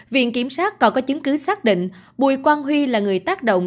viện kiểm sát còn có chứng cứ xác định bùi quang huy là người tác động